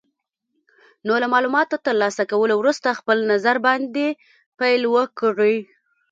نو له مالوماتو تر لاسه کولو وروسته خپل نظر باندې پیل وکړئ.